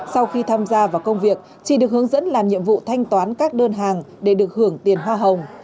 sau khi tham gia vào công việc chị được hướng dẫn làm nhiệm vụ thanh toán các đơn hàng để được hưởng tiền hoa hồng